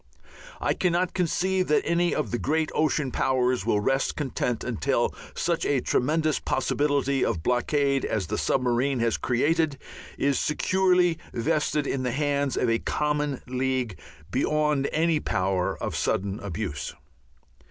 I cannot conceive that any of the great ocean powers will rest content until such a tremendous possibility of blockade as the submarine has created is securely vested in the hands of a common league beyond any power of sudden abuse.